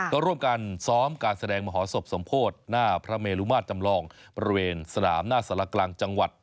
ก็ร่วมกันซ้อมการแสดงมหศพสมโพธิหน้าพระเมลุมาตรจำลองบริเวณสนามหน้าสารกลางจังหวัด